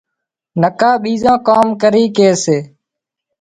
نڪا ٻيزان ڪام ڪري ڪي سي